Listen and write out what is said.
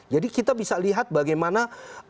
jadi kita bisa lihat bagaimana